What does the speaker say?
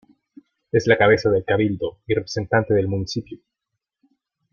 Es la cabeza del cabildo y representante del municipio.